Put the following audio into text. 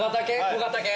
小型犬？